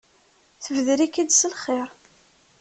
Tebder-ik-id s lxir.